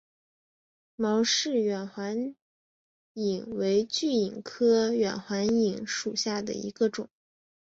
毛氏远环蚓为巨蚓科远环蚓属下的一个种。